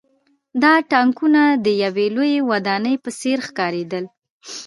دا ټانکونه د یوې لویې ودانۍ په څېر ښکارېدل